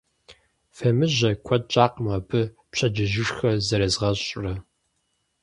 Фемыжьэ, куэд щӀакъым абы пщэдджыжьышхэ зэрезгъэщӀрэ.